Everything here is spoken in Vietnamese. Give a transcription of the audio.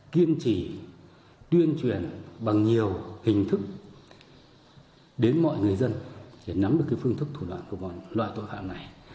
kiên trì tuyên truyền bằng nhiều hình thức đến mọi người dân để nắm được phương thức thủ đoạn của bọn tội phạm này